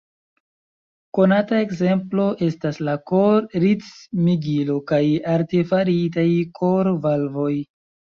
Konata ekzemplo estas la kor-ritmigilo kaj artefaritaj kor-valvoj.